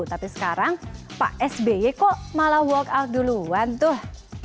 tapi sekarang pak sby kok malah walk out duluan tuh